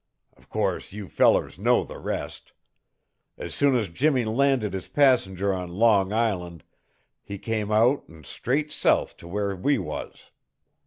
"Of course, you fellers know the rest. As soon as Jimmie landed his passenger on Long Island he came out an' straight south to where we was.